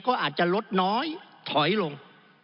ก็อาจจะลดน้อยถอยลง